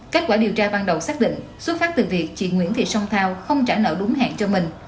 kết quả điều tra ban đầu xác định xuất phát từ việc chị nguyễn thị sông thao không trả nợ đúng hạn cho mình